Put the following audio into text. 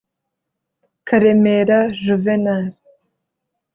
Karemera Juvenal